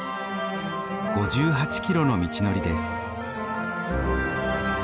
５８キロの道のりです。